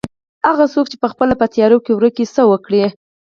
هغه څوک چې پخپله په تيارو کې ورکه وي څه وکړي.